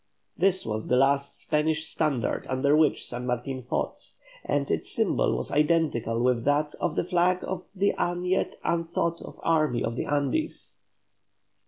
This was the last Spanish standard under which San Martin fought, and its symbol was identical with that of the flag of the as yet unthought of army of the Andes.